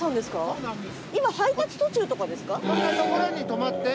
そうなんです。